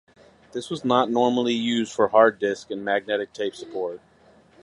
This was normally used for hard disk and magnetic tape support.